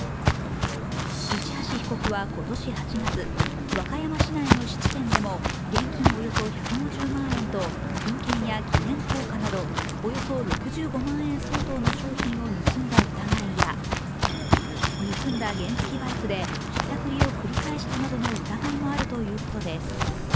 市橋被告は今年８月、和歌山市内の質店でも現金およそ１５０万円と金券や記念硬貨などおよそ６５万円相当の商品を盗んだ疑いや盗んだ原付バイクでひったくりを繰り返したなどの疑いもあるということです。